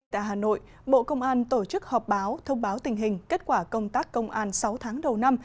tại hà nội bộ công an tổ chức họp báo thông báo tình hình kết quả công tác công an sáu tháng đầu năm